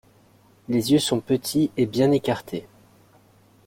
Les yeux sont petits et bien écartés.